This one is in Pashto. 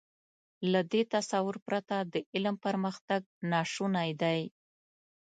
له دې تصور پرته د علم پرمختګ ناشونی دی.